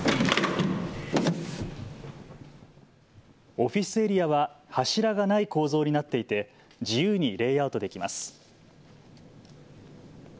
オフィスエリアは柱がない構造になっていて自由にレイアウトできます。